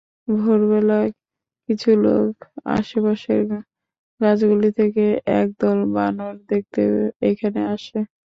ভোরবেলায় কিছু লোক আশেপাশের গাছগুলি থেকে একদল বানর দেখতে এখানে আসে।